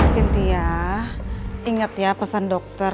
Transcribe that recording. sintia inget ya pesan dokter